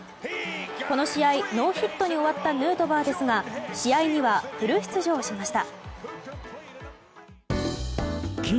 この試合、ノーヒットに終わったヌートバーですが試合にはフル出場しました。